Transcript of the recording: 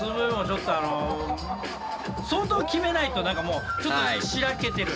相当決めないと何かもうちょっとしらけてる。